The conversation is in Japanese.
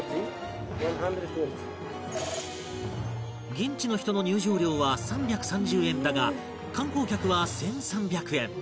現地の人の入場料は３３０円だが観光客は１３００円